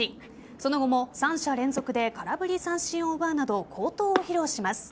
その後も３者連続で空振り三振を奪うなど好投を披露します。